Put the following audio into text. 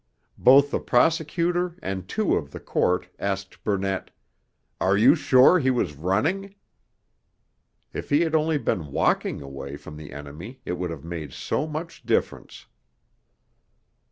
Both the Prosecutor and two of the Court asked Burnett, 'Are you sure he was running?' If he had only been walking away from the enemy it would have made so much difference!